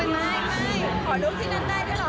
ไม่ขอร่วมที่นั้นได้ด้วยเหรอ